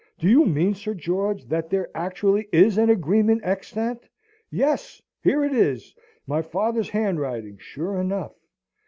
Do you mean, Sir George, that there actually is an agreement extant? Yes. Here it is my father's handwriting, sure enough!